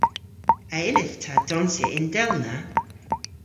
A yllydh ta donsya yndellna?